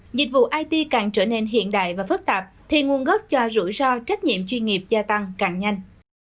dịch vụ it càng trở nên hiện đại và phức tạp thì nguồn gốc cho rủi ro trách nhiệm chuyên nghiệp gia tăng càng nhanh